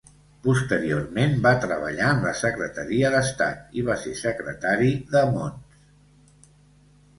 Posteriorment va treballar en la Secretaria d'Estat i va ser secretari de Mons.